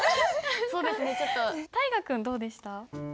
大河君どうでした？